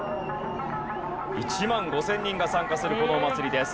１万５０００人が参加するこのお祭りです。